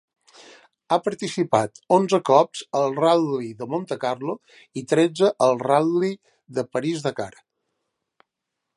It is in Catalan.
Ha participat onze cops al ral·li de Montecarlo i tretze al ral·li París-Dakar.